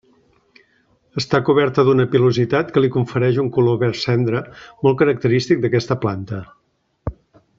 Està coberta d'una pilositat que li confereix un color verd cendra molt característic d'aquesta planta.